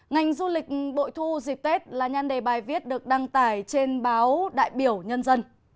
ngành du lịch bội thu dịp tết là nhanh đề bài viết được đăng tải trên báo đại biểu nhân dân